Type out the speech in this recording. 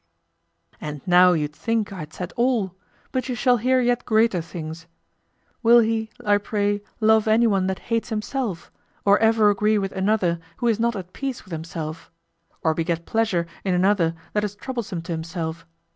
And now you'd think I had said all, but you shall hear yet greater things. Will he, I pray, love anyone that hates himself? Or ever agree with another who is not at peace with himself? Or beget pleasure in another that is troublesome to himself?